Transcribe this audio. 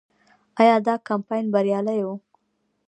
آیا دا کمپاین بریالی و؟